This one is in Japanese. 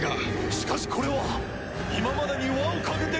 しかしこれは今までに輪をかけて巨大！